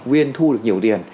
học viên thu được nhiều tiền